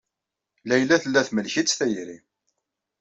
Layla tella temlek-itt tayri.